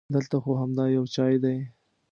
دلته خو همدا یو چای دی.